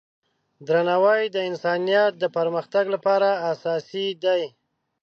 درناوی د انسانیت د پرمختګ لپاره اساسي دی.